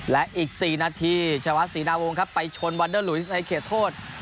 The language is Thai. และอีก๔นาทีชาวาศรีนาวงครับไปชนวันเดอร์ลุยสในเขตโทษ